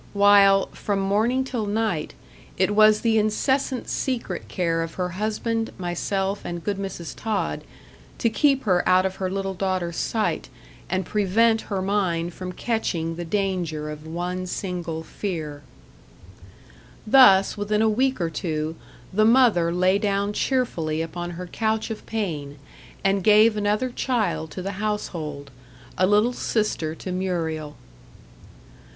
While, from morning till night, it was the incessant secret care of her husband, myself, and good Mrs. Tod, to keep her out of her little daughter's sight, and prevent her mind from catching the danger of one single fear. Thus, within a week or two, the mother lay down cheerfully upon her couch of pain, and gave another child to the household a little sister to Muriel.